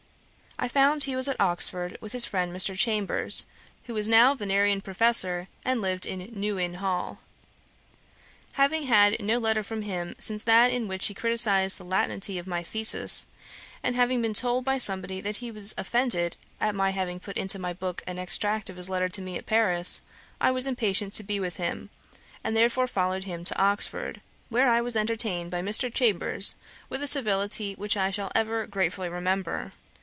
I found he was at Oxford, with his friend Mr. Chambers, who was now Vinerian Professor, and lived in New Inn Hall. Having had no letter from him since that in which he criticised the Latinity of my Thesis, and having been told by somebody that he was offended at my having put into my Book an extract of his letter to me at Paris, I was impatient to be with him, and therefore followed him to Oxford, where I was entertained by Mr. Chambers, with a civility which I shall ever gratefully remember.